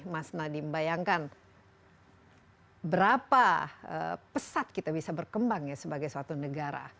mas nadiem bayangkan berapa pesat kita bisa berkembang ya sebagai suatu negara